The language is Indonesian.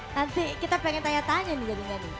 nanti kita pengen tanya tanya nih jadinya nih